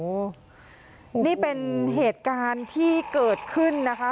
โอ้โหนี่เป็นเหตุการณ์ที่เกิดขึ้นนะคะ